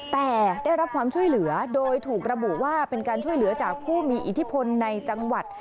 แต่ได้รับความช่วยเหลือโดยถูกระบุว่าเป็นการช่วยเหลือจากผู้มีอิทธิพลในจังหวัด